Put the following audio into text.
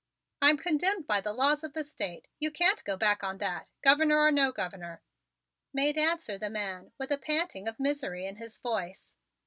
"I'm condemned by the laws of the State. You can't go back on that, Governor or no Governor," made answer the man, with a panting of misery in his voice.